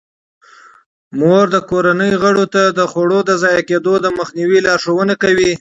مور د کورنۍ غړو ته د خوړو د ضایع کیدو د مخنیوي لارښوونه کوي.